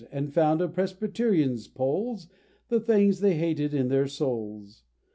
And found in Presbyterians' polls The things they hated in their souls!